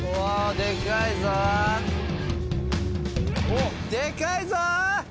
でかいぞでかいぞ！